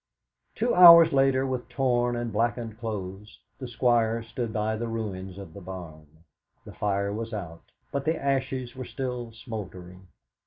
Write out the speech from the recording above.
Two hours later, with torn and blackened clothes, the Squire stood by the ruins of the barn. The fire was out, but the ashes were still smouldering.